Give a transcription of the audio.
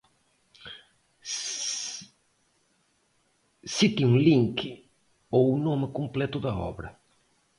Cite com um link ou o nome completo da obra.